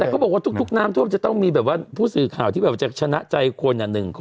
แต่เขาบอกว่าทุกน้ำท่วมจะต้องมีผู้สื่อข่าวที่แบบว่าจะชนะใจคนอย่างหนึ่ง